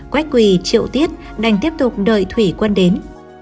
quách quỳ triệu tiết đành tiếp tục đợi thủy quân đến